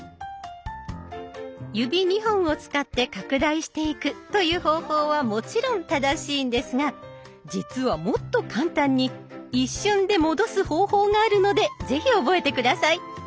指２本を使って拡大していくという方法はもちろん正しいんですが実はもっと簡単に一瞬で戻す方法があるので是非覚えて下さい。